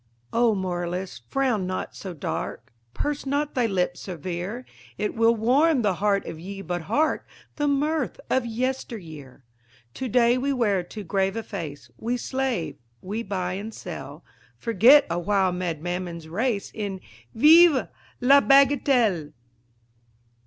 _" O moralist, frown not so dark, Purse not thy lip severe; 'T will warm the heart if ye but hark The mirth of "yester year." To day we wear too grave a face; We slave, we buy and sell; Forget a while mad Mammon's race In "_Vive la bagatelle!